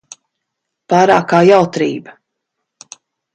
Pārākā jautrība.